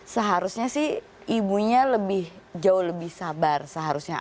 seharusnya sih ibunya lebih jauh lebih sabar seharusnya